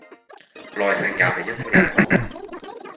耐性也比一般人好